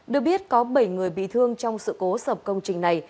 được biết có bảy người bị thương trong sự cố sập công trình này